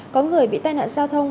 có người bị tai nạn giao thông